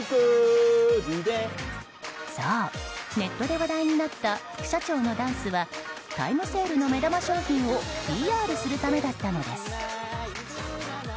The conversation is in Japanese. そう、ネットで話題になった副社長のダンスはタイムセールの目玉商品をＰＲするためだったのです。